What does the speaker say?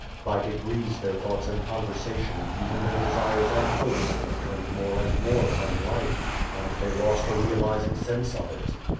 By degrees their thoughts and conversation, even their desires and hopes turned morepnd more from life, and they lost a realizing sense of it.